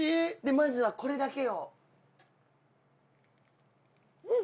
まずはこれだけを。